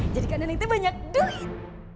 jadikan neneng teh banyak duit